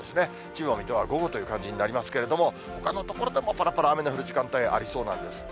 千葉、水戸は午後という感じになりますけれども、ほかの所でもぱらぱら雨の降る時間帯ありそうなんです。